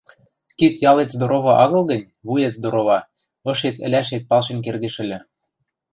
Кид-ялет здорова агыл гӹнь, вует здорова, ышет ӹлӓшет палшен кердеш ыльы.